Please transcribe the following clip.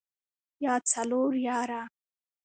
يا څلور ياره.